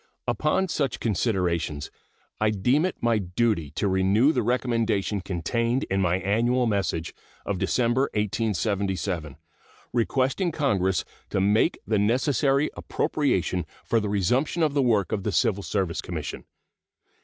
Upon such considerations I deem it my duty to renew the recommendation contained in my annual message of December, 1877, requesting Congress to make the necessary appropriation for the resumption of the work of the Civil Service Commission.